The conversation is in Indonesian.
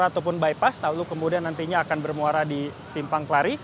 ataupun bypass lalu kemudian nantinya akan bermuara di simpang kelari